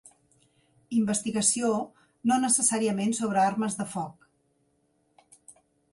Investigació, no necessàriament sobre armes de foc.